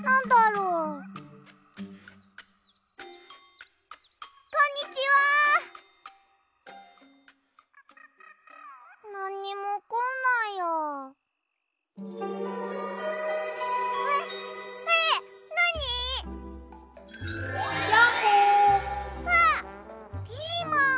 うわっピーマン！